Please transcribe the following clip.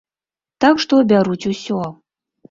Так што бяруць усё.